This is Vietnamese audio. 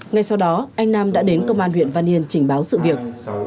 ngay sau đó anh nam đã đến công an huyện văn yên trình báo sự việc